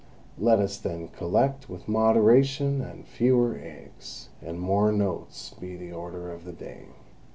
Let us then collect with moderation and fewer eggs and more notes be the order of the day.